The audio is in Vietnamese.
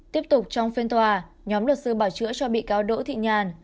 tiếp tục trong phiên tòa nhóm luật sư bảo chữa cho bị cáo đỗ thị nhàn